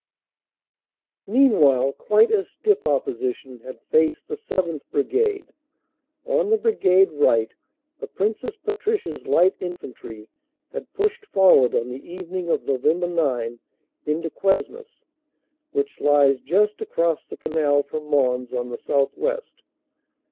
Meanwhile quite as stiff opposition had faced the 7th. Brigade. On the Brigade right the Princess Patricias Light Infantry had pushed forward on the evening of Nov. 9 into Cuesmes, which lies just across the canal from Mons on the southwest.